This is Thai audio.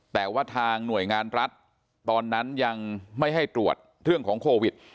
แต่ว่าทางหน่วยงานรัฐตอนนั้นยังไม่ให้ตรวจเรื่องของโควิด